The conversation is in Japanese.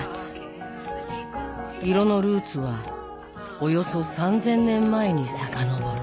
色のルーツはおよそ３，０００年前にさかのぼる。